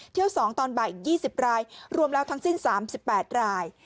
เที่ยวสองตอนบ่ายอีกยี่สิบรายรวมแล้วทั้งสิ้นสามสิบแปดราย